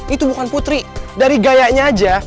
itu bukan putri dari gayanya aja